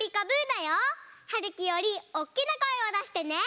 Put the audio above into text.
だよ。はるきよりおっきなこえをだしてね。